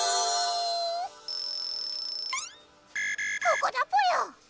ここだぽよ！